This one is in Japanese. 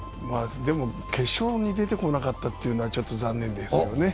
でも、決勝に出てこなかったというのはちょっと残念ですよね。